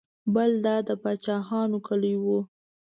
بل دا د پاچاهانو کلی و.